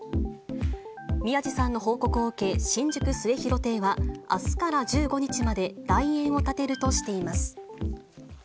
宮治さんの報告を受け、新宿末広亭は、あすから１５日まで代演を立てるとしています。